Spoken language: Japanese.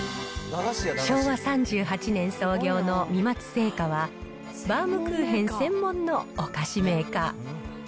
昭和３８年創業の美松製菓は、バウムクーヘン専門のお菓子メーカー。